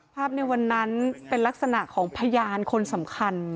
ในวันนั้นเป็นลักษณะของพยานคนสำคัญ